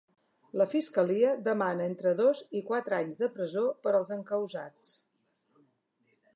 La fiscalia demana entre dos i quatre anys de presó per als encausats.